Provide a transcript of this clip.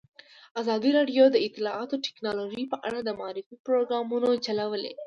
ازادي راډیو د اطلاعاتی تکنالوژي په اړه د معارفې پروګرامونه چلولي.